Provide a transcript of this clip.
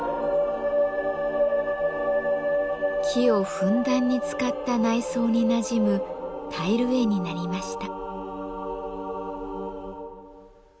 木をふんだんに使った内装になじむタイル画になりました。